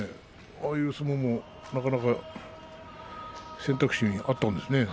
ああいう相撲も選択肢にあったんですね。